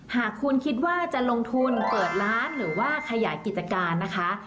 หากคุณคิดว่าจะลงทุนเปิดร้านหรือว่าขยายกิจการนะคะ